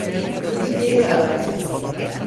Beni geri ara.